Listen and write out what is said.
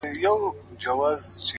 داسي محراب غواړم ـ داسي محراب راکه ـ